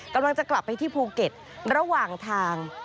กำลังจะกลับไปที่ภูเก็ตระหว่างทาง